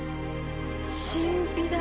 神秘だ。